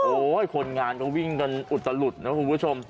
โอ๊ยคนงานก็วิ่งจนอุดตะหลุดนะครับคุณผู้ชม